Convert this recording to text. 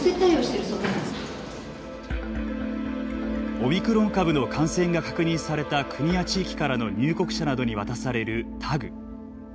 オミクロン株の感染が確認された国や地域からの入国者などに渡されるタグ。